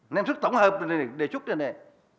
nên sức tổng hợp này này đề xuất này này